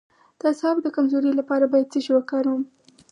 د اعصابو د کمزوری لپاره باید څه شی وکاروم؟